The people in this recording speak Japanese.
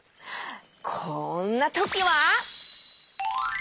こんなときは！